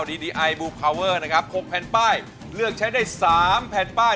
ดีดีไอบลูกนะครับหกแผ่นป้ายเลือกใช้ได้สามแผ่นป้าย